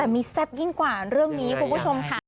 แต่มีแซ่บยิ่งกว่าเรื่องนี้คุณผู้ชมค่ะ